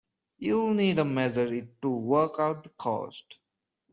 You'll need to measure it to work out the cost.